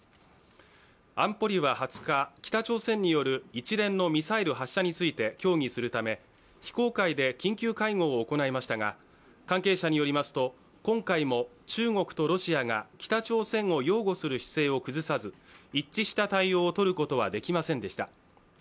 安保理は２０日、北朝鮮による一連のミサイル発射について協議するため非公開で緊急会合を行いましたが、関係者によりますと今回も中国とロシアが北朝鮮を擁護する姿勢を崩さず一致した対応を取ることはできませんでした。